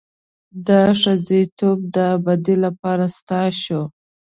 دا ښځتوب د ابد لپاره ستا شو.